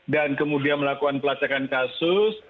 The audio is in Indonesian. dan kemudian melakukan pelacakan kasus